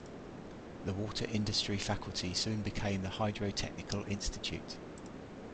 The water industry faculty soon became the Hydrotechnical institute.